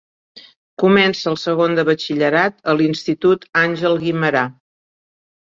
Comença el segon de Batxillerat a l'Institut Àngel Guimerà.